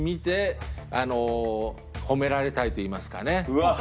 うわっ。